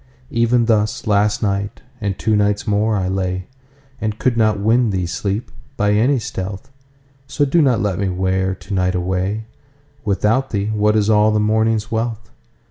Even thus last night, and two nights more I lay, And could not win thee, Sleep! by any stealth:So do not let me wear to night away:Without Thee what is all the morning's wealth?